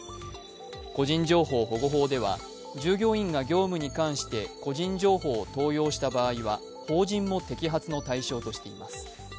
個人情報保護法では従業員が業務に関して個人情報を盗用した場合は法人も摘発の対象としています。